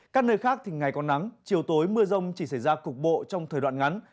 các nơi khác thì ngày có nắng chiều tối mưa rông chỉ xảy ra cục bộ trong thời đoạn ngắn